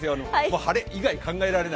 晴れ以外考えられない